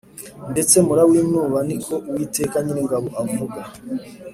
ndetse murawinuba ni ko Uwiteka Nyiringabo avuga